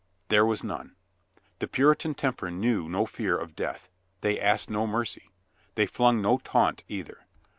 There was none. The Puritan temper knew no fear of death. They asked no mercy. They flung no taunt either.